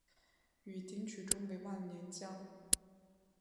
与丁取忠为忘年交。